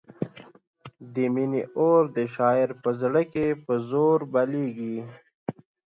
د مینې اور د شاعر په زړه کې په زور بلېږي.